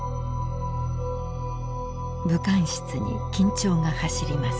武官室に緊張が走ります。